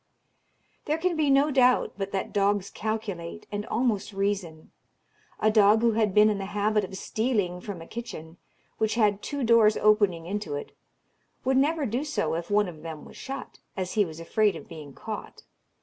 There can be no doubt but that dogs calculate, and almost reason. A dog who had been in the habit of stealing from a kitchen, which had two doors opening into it, would never do so if one of them was shut, as he was afraid of being caught.